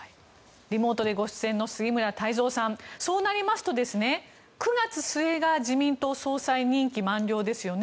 リモートでご出演の杉村太蔵さんそうなりますと、９月末が自民党総裁任期満了ですよね。